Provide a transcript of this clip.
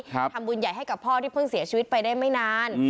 ทำบุญใหญ่ให้กับพ่อที่เพิ่งเสียชีวิตไปได้ไม่นาน